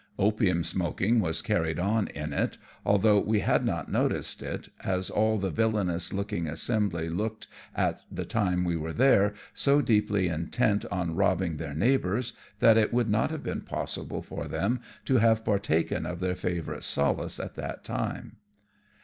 Opium smoking was carried on in it, although we had not noticed it, as all the villainous looking assembly looked, at the time we were there, so deeply intent on robbing their neighbours, that it would not have been possible for them to have partaken of their favourite solace at that time.